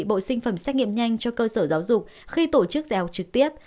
bộ sinh phẩm xét nghiệm nhanh cho cơ sở giáo dục khi tổ chức dạy học trực tiếp